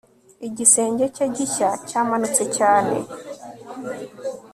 Igisenge cye gishya cyamanutse cyane